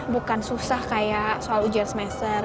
bukan susah kayak soal ujian semester